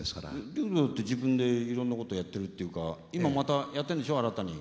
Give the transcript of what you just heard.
竜童だって自分でいろんなことやってるっていうか今またやってるんでしょ新たに？